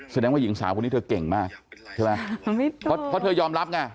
แสดงว่าหญิงสาวคนนี้เธอเก่งมากใช่ไหมเพราะเธอยอมรับไง